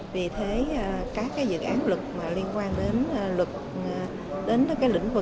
vì thế các dự án luật liên quan đến lĩnh vực của công an